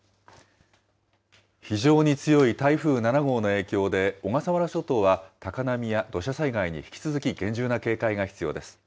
非常に強い台風７号の影響で、小笠原諸島は高波や土砂災害に引き続き厳重な警戒が必要です。